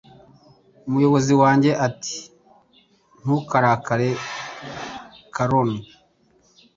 Umuyobozi wanjye ati Ntukarakare Caron